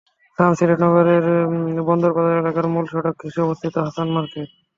স্থান সিলেট নগরের বন্দরবাজার এলাকার মূল সড়ক ঘেঁষে অবস্থিত হাসান মার্কেট।